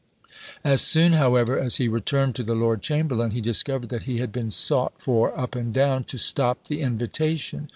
As soon, however, as he returned to the lord chamberlain, he discovered that he had been sought for up and down, to stop the invitation.